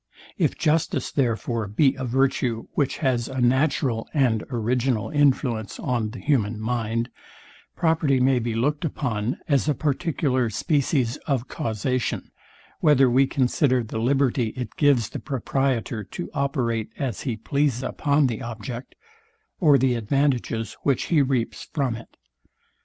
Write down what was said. If justice, therefore, be a virtue, which has a natural and original influence on the human mind, property may be looked upon as a particular species of causation; whether we consider the liberty it gives the proprietor to operate as he please upon the object or the advantages, which he reaps from it.